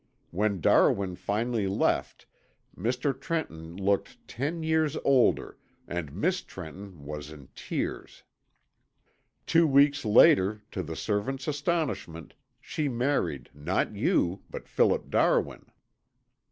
When Darwin finally left, Mr. Trenton looked ten years older and Miss Trenton was in tears. Two weeks later, to the servant's astonishment, she married not you, but Philip Darwin."